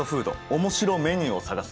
面白メニューを探せ！」